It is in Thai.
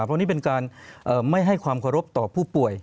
เพราะนี่เป็นการไม่ให้ความเคารพต่อผู้ป่วย